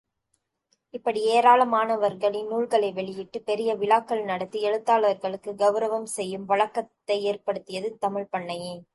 இப்படி ஏராளமானவர்களின் நூல்களை வெளியிட்டு, பெரிய விழாக்கள் நடத்தி எழுத்தாளர்களுக்குக் கெளரவம் செய்யும் வழக்கத்தை ஏற்படுத்தியது தமிழ்ப் பண்ணையே!